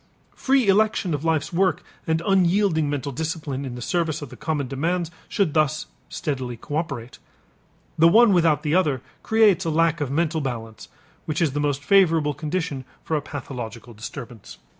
Free election of life's work and unyielding mental discipline in the service of the common demands should thus steadily coöperate. The one without the other creates a lack of mental balance which is the most favorable condition for a pathological disturbance.